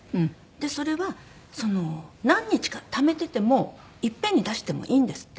それは何日かためててもいっぺんに出してもいいんですって。